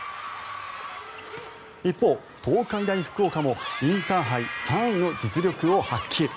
一方、東海大福岡もインターハイ３位の実力を発揮。